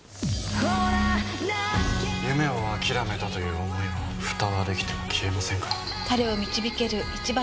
夢をあきらめたという思いはふたはできても消えませんから。